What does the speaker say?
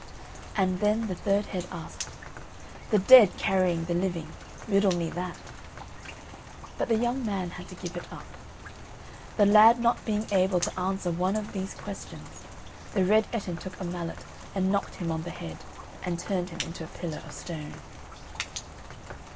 And then the third head asked: "The dead carrying the living; riddle me that?" But the young man had to give it up. The lad not being able to answer one of these questions, the Red Ettin took a mallet and knocked him on the head, and turned him into a pillar of stone.